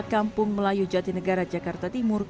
kampung melayu jatinegara jakarta timur